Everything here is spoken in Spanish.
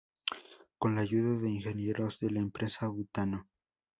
Con la ayuda de ingenieros de la empresa Butano,s.a.